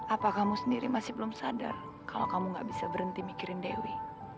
apa kamu sendiri masih belum sadar kalau kamu gak bisa berhenti mikirin dewi